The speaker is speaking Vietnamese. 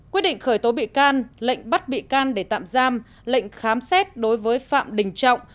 quyết định khởi tố bị can lệnh bắt bị can để tạm giam lệnh khám xét đối với phạm đình trọng